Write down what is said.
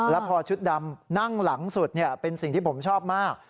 แล้วพอชุดดำนั่งหลังสุดเป็นสิ่งที่ผมชอบมาก